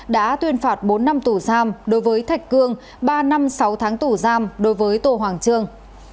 đã tuyên phạt bốn năm tù giam đối với thạch cương ba năm sáu tháng tù giam đối với tô hoàng trương